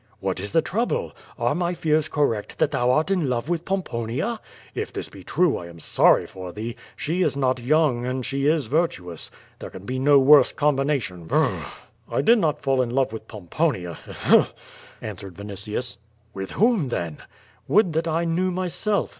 '^ What is the trouble? Are my fears correct that thou art y in love with Pomponia? If this be true, I am sorry for thee. •^ She is not young and she is virtuous. There can be no worse /combination. Brr.^' "I did not fall in love with Pomponia— ehue,'* answered Vinitius. "With whom ihenr "Would that I knew myself.